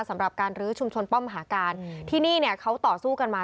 สำหรับการลื้อชุมชนป้อมหาการที่นี่เนี่ยเขาต่อสู้กันมา